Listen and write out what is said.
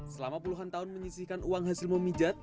selama puluhan tahun menyisihkan uang hasil memijat